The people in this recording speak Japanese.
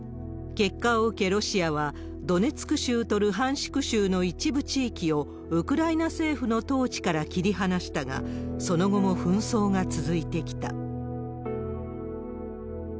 結果を受け、ロシアはドネツク州とルハンシク州の一部地域をウクライナ政府の統治から切り離したが、その後も紛争が続いてきた。